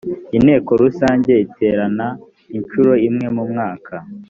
inteko rusange iterana incuro imwe mu mwaka